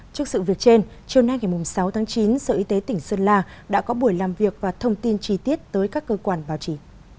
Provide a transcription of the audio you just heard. trước sự việc trên chiều nay ngày sáu tháng chín sở y tế tỉnh sơn la đã có buổi làm việc và thông tin chi tiết tới các cơ quan báo chí